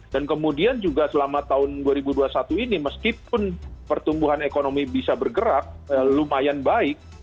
dan kemudian juga selama tahun dua ribu dua puluh satu ini meskipun pertumbuhan ekonomi bisa bergerak lumayan baik